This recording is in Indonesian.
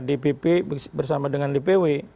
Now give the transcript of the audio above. bpp bersama dengan dpw